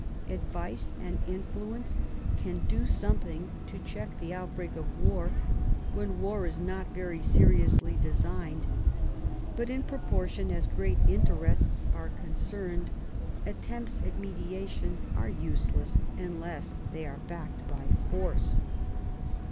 Advice and influence can do something to check the outbreak of war when war is not very seri ously designed ; but in proportion as great interests are concerned, attempts at mediation are useless unless they are backed by force.